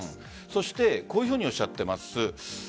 そして、こういうふうにおっしゃっています。